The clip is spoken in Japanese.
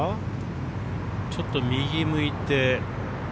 ちょっと右向いて。